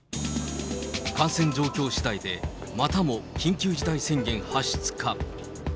感染状況しだいで、またも緊急事態宣言発出か。